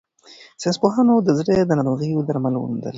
ساینس پوهانو د زړه د ناروغیو درمل وموندل.